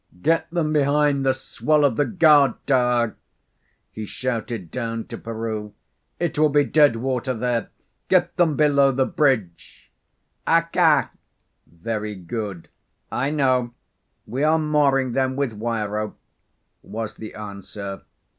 "Get them behind the swell of the guardtower," he shouted down to Peroo. "It will be dead water there. Get them below the bridge." "Accha! [Very good.] I know; we are mooring them with wire rope," was the answer.